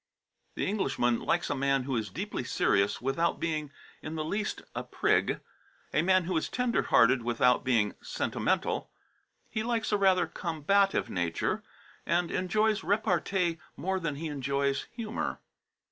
The Englishman likes a man who is deeply serious without being in the least a prig; a man who is tender hearted without being sentimental; he likes a rather combative nature, and enjoys repartee more than he enjoys humour.